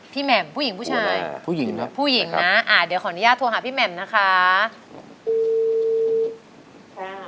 ต้องใช้สิทธิ์เล่าละครับ